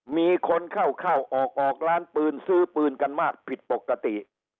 มีคนเข้าเข้าออกออกร้านปืนซื้อปืนกันมากผิดปกติ